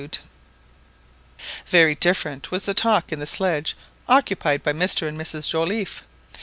Very different was the talk in the sledge occupied by Mr and Mrs Joliffe.